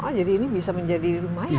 oh jadi ini bisa menjadi lumayan